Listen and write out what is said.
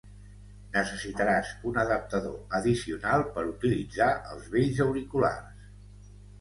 Necessitaràs un adaptador addicional per utilitzar els vells auriculars.